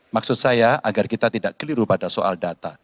maksud saya agar kita tidak keliru pada soal data